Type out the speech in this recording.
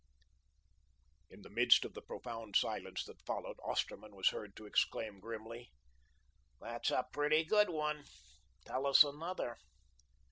In the midst of the profound silence that followed, Osterman was heard to exclaim grimly: "THAT'S a pretty good one. Tell us another."